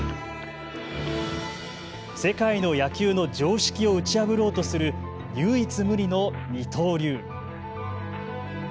世界の野球の常識を打ち破ろうとする唯一無二の二刀流。